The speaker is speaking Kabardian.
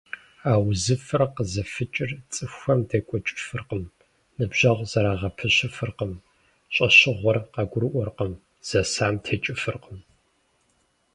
А узыфэр къызэфыкӏыр цӀыхухэм декӀуэкӀыфыркъым, ныбжьэгъу зэрагъэпэщыфыркъым, щӀэщыгъуэр къагурыӀуэркъым, зэсам текӀыфыркъым.